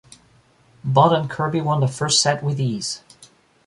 Bond and Kirby won the first set with ease.